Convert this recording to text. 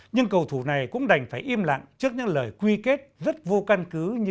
nhưng cầu thủ này cũng đành phải im lặng trước những lời quy kết rất vô căn cứ như